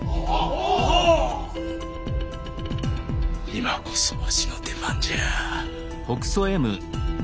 今こそわしの出番じゃ。